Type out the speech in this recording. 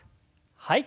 はい。